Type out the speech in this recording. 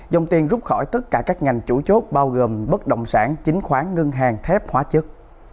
dòng tiền rút khỏi tất cả các ngành chủ chốt bao gồm bất động sản chính khoán ngân hàng thép hóa chất